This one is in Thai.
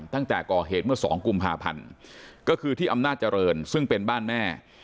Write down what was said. ตั้งแต่ก่อเหตุเมื่อสองกุมภาพันธ์ก็คือที่อำนาจเจริญซึ่งเป็นบ้านแม่